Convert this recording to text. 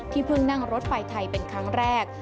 เพิ่งนั่งรถไฟไทยเป็นครั้งแรก